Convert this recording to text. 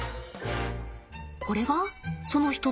これがその一つ？